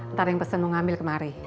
ntar yang pesen mau ngambil kemari